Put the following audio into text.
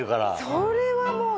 それはもう。